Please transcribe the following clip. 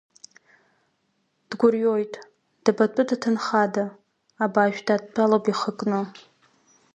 Дгәырҩоит, дабатәыда ҭынхада, абаажә дадтәалоуп ихы кны?